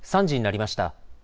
３時になりました。